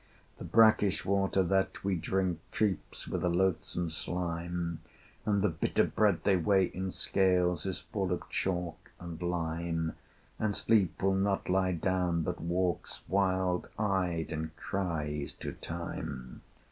The brackish water that we drink Creeps with a loathsome slime, And the bitter bread they weigh in scales Is full of chalk and lime, And Sleep will not lie down, but walks Wild eyed and cries to Time.